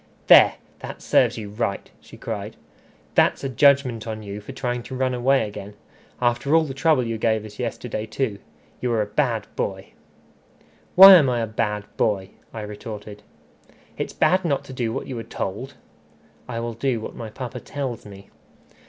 "There! that serves you right," she cried. "That's a judgment on you for trying to run away again. After all the trouble you gave us yesterday too! You are a bad boy." "Why am I a bad boy?" I retorted. "It's bad not to do what you are told." "I will do what my papa tells me."